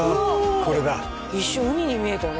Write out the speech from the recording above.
これだ一瞬ウニに見えたね